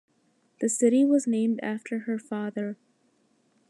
The city was named after her father.